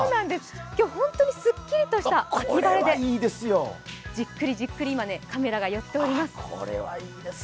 今日本当にすっきりとした見栄えでじっくりじっくり今、カメラが寄っております。